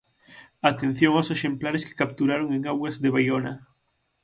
Atención aos exemplares que capturaron en augas de Baiona.